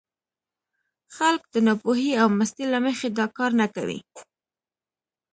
خلک د ناپوهۍ او مستۍ له مخې دا کار نه کوي.